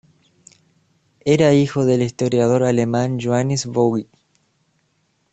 Era hijo del historiador alemán Johannes Voigt.